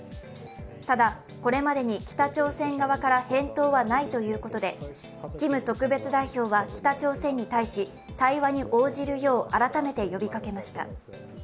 ただ、これまでに北朝鮮側から返答はないということで、キム特別代表は北朝鮮に対し対話に応じるよう、改めて呼びかけました。